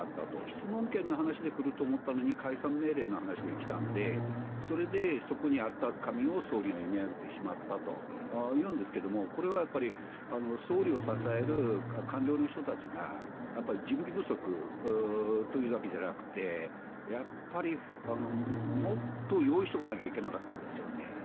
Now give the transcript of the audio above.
質問権の話で来ると思ったのに解散命令の話で来たのでそれでそこにあった紙を総理が読み上げてしまったというんですけどもこれは総理を支える官僚の人たちが準備不足というだけじゃなくてやっぱりもっと用意しておかなきゃいけなかったんですね。